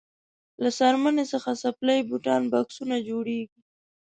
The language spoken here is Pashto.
له څرمنې څخه څپلۍ بوټان بکسونه جوړیږي.